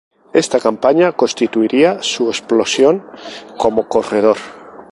Esta campaña constituiría su explosión como corredor.